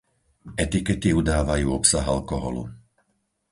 Etikety udávajú obsah alkoholu.